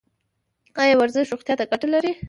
ایا ورزش روغتیا ته ګټه لري؟